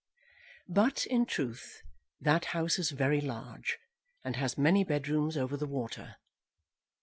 But, in truth, that house is very large, and has many bedrooms over the water.